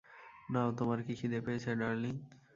নাও, তোমার কি খিদে পেয়েছে, ডার্লিং?